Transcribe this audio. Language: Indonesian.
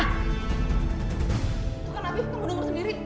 bukan afif kamu dengar sendiri